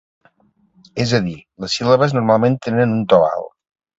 És a dir, les síl·labes normalment tenen un to alt.